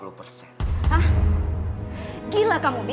hah gila kamu bi